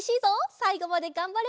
さいごまでがんばれるか？